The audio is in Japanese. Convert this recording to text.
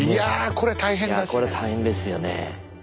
これ大変ですよね。